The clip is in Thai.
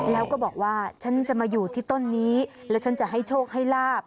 แล้วก็บอกว่าฉันจะมาอยู่ที่ต้นนี้แล้วฉันจะให้โชคให้ลาบ